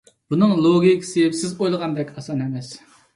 بۇنىڭ لوگىكىسى سىز ئويلىغاندەك ئاسان ئەمەس.